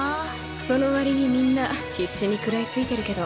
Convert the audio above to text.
そのわりにみんな必死に食らいついてるけど。